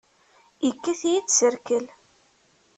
Yekkat-iyi-d s rrkel!